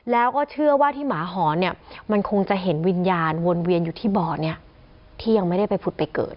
แล้วก็เชื่อว่าที่หมาหอนเนี่ยมันคงจะเห็นวิญญาณวนเวียนอยู่ที่บ่อเนี่ยที่ยังไม่ได้ไปผุดไปเกิด